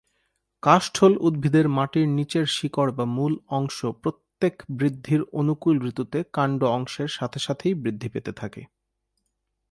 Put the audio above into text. কাষ্ঠল উদ্ভিদের মাটির নিচের শিকড় বা মূল অংশ প্রত্যেক বৃদ্ধির অনুকূল ঋতুতে কাণ্ড অংশের সাথে সাথেই বৃদ্ধি পেতে থাকে।